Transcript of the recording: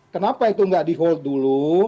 kenapa itu nggak di hold dulu